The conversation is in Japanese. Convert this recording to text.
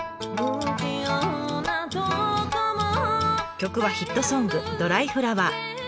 曲はヒットソング「ドライフラワー」。